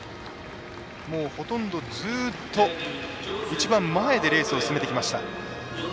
もうほとんどずっと一番前でレースを進めてきました。